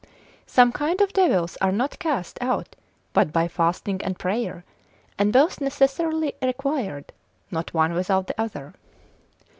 Some kind of devils are not cast out but by fasting and prayer, and both necessarily required, not one without the other.